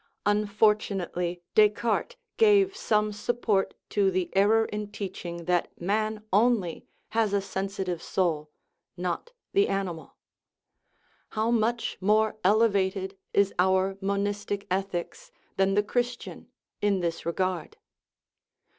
Unfortunately Descartes gave some sup port to the error in teaching that man only has a sen sitive soul, not the animal. How much more elevated is our monistic ethics than the Christian in this regard!